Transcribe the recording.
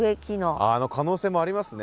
ああ可能性もありますね